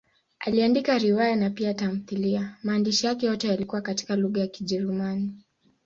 Aliandika riwaya na pia tamthiliya; maandishi yake yote yalikuwa katika lugha ya Kijerumani.